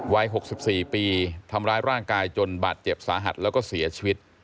วัย๖๔ปีทำร้ายร่างกายจนบาดเจ็บสาหัสแล้วก็เสียชีวิต